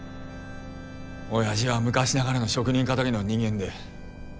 親父は昔ながらの職人気質の人間で。